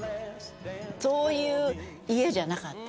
そういう家じゃなかった。